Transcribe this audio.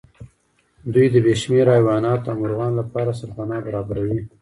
دوی د بې شمېره حيواناتو او مرغانو لپاره سرپناه برابروي.